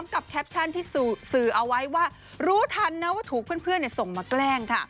กับเทปชั่นสื่อเอาไว้ว่ารู้ทันว่าถูกเพื่อนที่ส่งมาแกล้ง